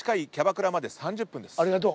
ありがとう。